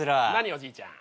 おじいちゃん。